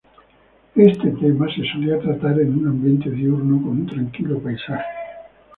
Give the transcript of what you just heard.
Este tema se solía tratar en un ambiente diurno, con un tranquilo paisaje.